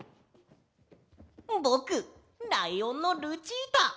ぼくライオンのルチータ！